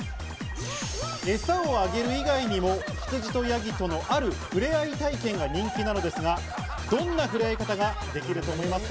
エサをあげる以外にも、羊とヤギとの、ある触れ合い体験が人気なのですが、どんな触れ合い方ができると思いますか？